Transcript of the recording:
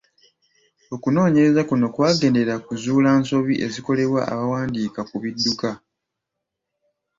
Okunoonyereza kuno kwagenderera kuzuula nsobi ezikolebwa abawandiika ku bidduka.